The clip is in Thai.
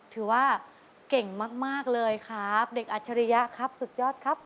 ถือว่าเก่งมากเลยครับเด็กอัจฉริยะครับสุดยอดครับ